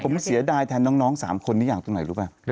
ผมเสียดายแทนน้อง๓คนนี้อย่างตรงไหนรู้ป่ะ